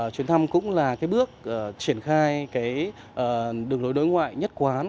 chuyến thăm cũng là bước triển khai đường đối ngoại nhất quán